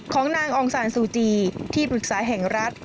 ของนางองซานซูจีที่ปรึกษาแห่งรัฐ